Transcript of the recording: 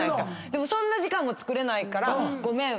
でもそんな時間もつくれないからごめん。